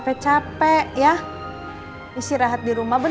iya selamat malam